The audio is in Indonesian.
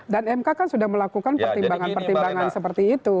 dan mk kan sudah melakukan pertimbangan pertimbangan seperti itu